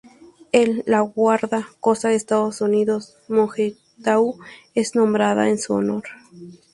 El la Guarda costa de Estados Unidos "Morgenthau" es nombrada en su honor.